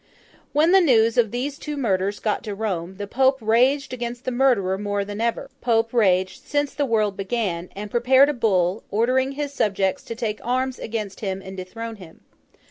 When the news of these two murders got to Rome, the Pope raged against the murderer more than ever Pope raged since the world began, and prepared a Bull, ordering his subjects to take arms against him and dethrone him.